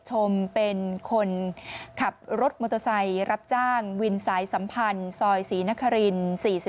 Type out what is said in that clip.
ชมเป็นคนขับรถมอเตอร์ไซค์รับจ้างวินสายสัมพันธ์ซอยศรีนคริน๔๔